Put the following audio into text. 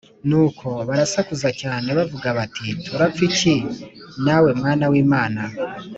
Nuko barasakuza cyane bavuga bati turapfa iki nawe Mwana w Imana